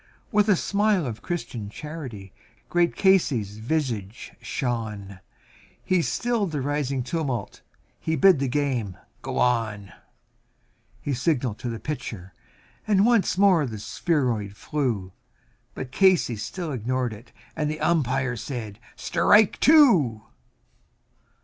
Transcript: With a smile of Christian charity great Casey's visage shone, He stilled the rising tumult and he bade the game go on; He signalled to the pitcher and again the spheroid flew, But Casey still ignored it and the Umpire said "Strike two."